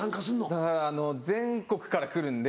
だから全国から来るんで。